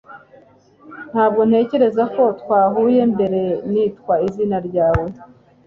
Ntabwo ntekereza ko twahuye mbere Nitwa… izina ryawe